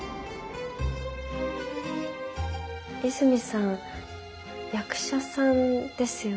泉さん役者さんですよね。